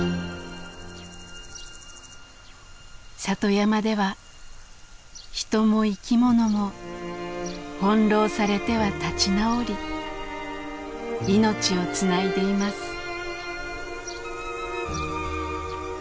里山では人も生き物も翻弄されては立ち直り命をつないでいます。